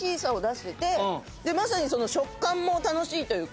まさに食感も楽しいというか。